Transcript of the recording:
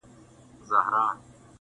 د شمعي جنازې ته پروانې دي چي راځي،